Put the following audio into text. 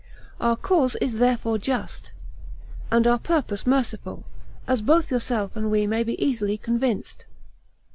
Our cause is therefore just, and our purpose merciful, as both yourself and we may be easily convinced.